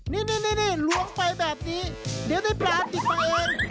นี่ล้วงไปแบบนี้เดี๋ยวได้ปลาติดมาเอง